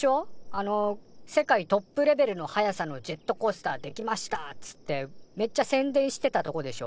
あの世界トップレベルの速さのジェットコースターできましたっつってめっちゃ宣伝してたとこでしょ。